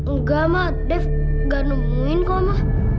enggak ma dev gak nemuin kau ma